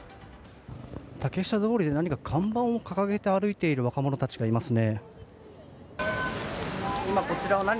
竹下通りで何か看板を掲げて歩いている若者たちがいますね。